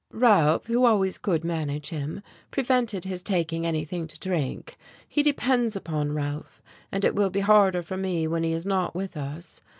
"Ralph, who always could manage him, prevented his taking anything to drink. He depends upon Ralph, and it will be harder for me when he is not with us.